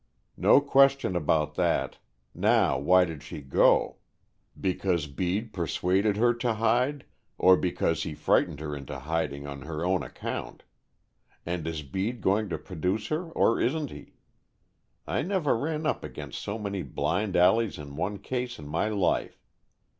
"No question about that. Now, why did she go? Because Bede persuaded her to hide, or because he frightened her into hiding on her own account? And is Bede going to produce her or isn't he? I never ran up against so many blind alleys in one case in my life.